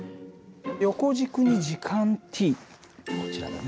横軸に時間ｔこちらだね。